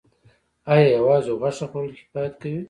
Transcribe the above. ایا یوازې غوښه خوړل کفایت کوي